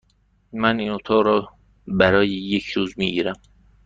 من این اتاق را برای یک روز می گیرم.